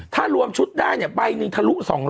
ถ้ารวมชุดได้เนี่ยใบหนึ่งทะลุ๒๐๐